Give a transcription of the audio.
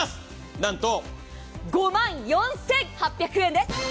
なんと、５万４８００円です。